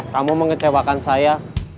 kamu mengecewakan saya